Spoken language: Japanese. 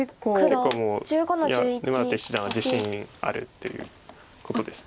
結構もういや沼舘七段は自信あるということです。